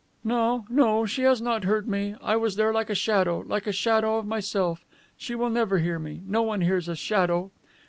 "No, no, she has not heard me. I was there like a shadow, like a shadow of myself. She will never hear me. No one hears a shadow."